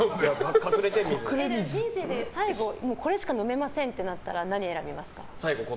人生で最後、これしか飲めませんってなったら何を選びますか？